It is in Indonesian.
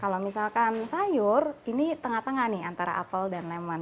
kalau misalkan sayur ini tengah tengah nih antara apel dan lemon